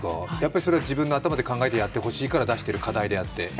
自分の頭で考えてほしいから出してる課題であって。